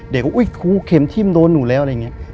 เด็กว่าอุ๊ยอุ๊ยเข็มทิ้มโดนหนูแล้วอะไรอย่างนี้